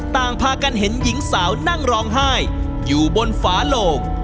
ต่างพากันเห็นหญิงสาวนั่งร้องไห้อยู่บนฝาโลง